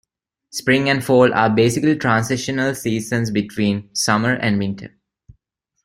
Spring and fall are basically transitional seasons between summer and winter.